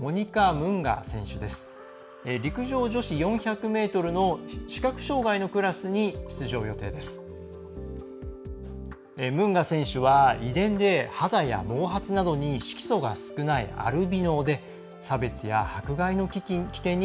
ムンガ選手は遺伝で肌や毛髪などに色素が少ないアルビノで、差別や迫害の危険に